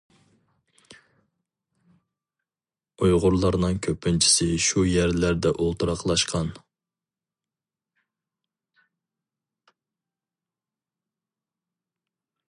ئۇيغۇرلارنىڭ كۆپىنچىسى شۇ يەرلەردە ئولتۇراقلاشقان.